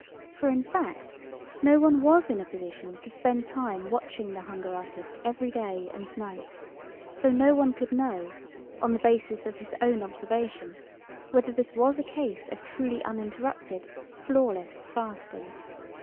For, in fact, no one was in a position to spend time watching the hunger artist every day and night, so no one could know, on the basis of his own observation, whether this was a case of truly uninterrupted, flawless fasting.